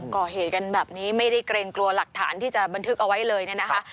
ก่อเหตุกันแบบนี้ไม่ได้เกรงกลัวหลักฐานที่จะบันทึกเอาไว้เลยเนี่ยนะคะ